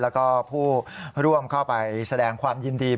แล้วก็ผู้ร่วมเข้าไปแสดงความยินดี